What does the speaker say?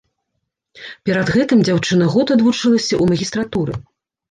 Перад гэтым дзяўчына год адвучылася ў магістратуры.